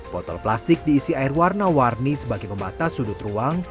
botol plastik diisi air warna warni sebagai pembatas sudut ruang